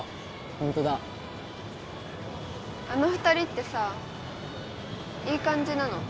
ホントだあの２人ってさいい感じなの？